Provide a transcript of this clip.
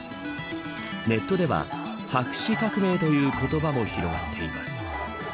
ネットでは白紙革命という言葉も広がっています。